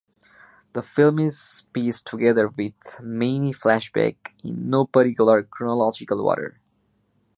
The film is pieced together with many flashbacks in no particular chronological order.